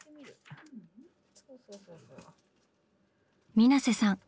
水瀬さん